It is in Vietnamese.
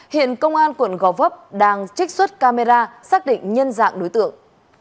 hiện công an quận gò vấp đang trích xuất camera xác định nhân dạng đối tượng